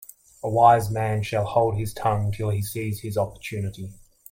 A wise man shall hold his tongue till he sees his opportunity.